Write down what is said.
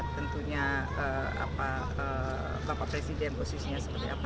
tentunya bapak presiden posisinya seperti apa